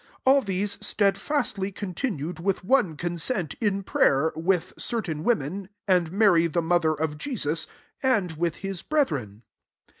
14 All these stedfastly continued with one consent in prayer, with certain women, and Mary the mother of Jesus, and [with'] his breth ren.